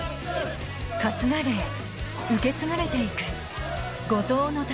担がれ受け継がれていく五島の宝